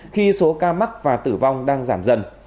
khi số ca mắc và tử vong đang giảm dần